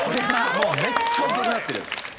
「めっちゃ遅くなってる」